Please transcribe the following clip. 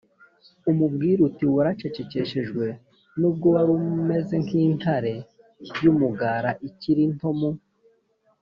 umubwire uti waracecekeshejwe nubwo wari umeze nk intare y umugara ikiri nto mu